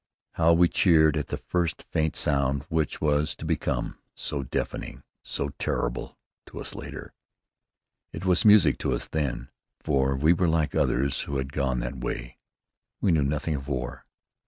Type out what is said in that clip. How we cheered at the first faint sound which was to become so deafening, so terrible to us later! It was music to us then; for we were like the others who had gone that way. We knew nothing of war.